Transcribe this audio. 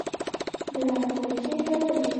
د غنمو ریښې ژورې ځي.